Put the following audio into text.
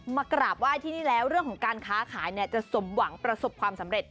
มากราบไหว้ที่นี่แล้วเรื่องของการค้าขายเนี่ยจะสมหวังประสบความสำเร็จ